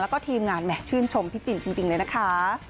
แล้วก็ทีมงานแห่ชื่นชมพี่จินจริงเลยนะคะ